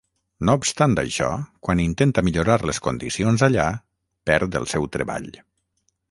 No obstant això, quan intenta millorar les condicions allà, perd el seu treball.